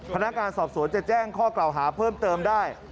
พนักงานสอบสวนจะแจ้งข้อกล่าวหาเพิ่มเติมได้